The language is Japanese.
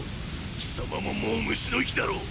貴様ももう虫の息だろう！